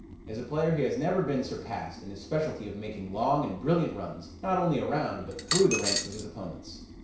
As a player he has never been surpassed in his specialty of making long and brilliant runs, not only around, but through the ranks of his opponents.